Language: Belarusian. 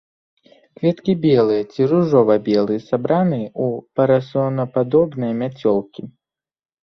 Кветкі белыя ці ружова-белыя, сабраныя ў парасонападобныя мяцёлкі.